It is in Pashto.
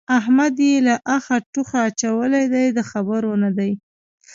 احمد يې له اخه توخه اچولی دی؛ د خبرو نه دی.